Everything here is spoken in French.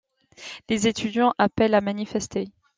Les étudiants appellent à manifester.